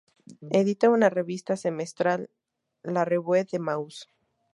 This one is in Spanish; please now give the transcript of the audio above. Edita una revista semestral: la "Revue du Mauss".